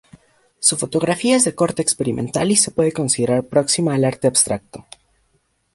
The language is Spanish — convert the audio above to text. Su fotografía es de corte experimental y se puede considerar próxima al arte abstracto.